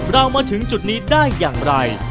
เรามาถึงจุดนี้ได้อย่างไร